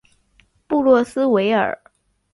布洛斯维尔。